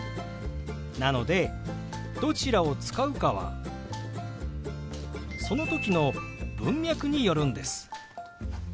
なのでどちらを使うかはその時の文脈によるんです。